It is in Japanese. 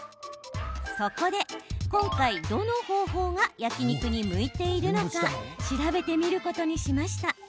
そこで、今回どの方法が焼き肉に向いているのか調べてみることにしました。